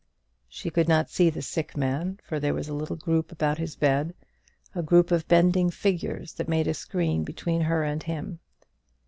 She could not see the sick man, for there was a little group about his bed, a group of bending figures, that made a screen between her and him.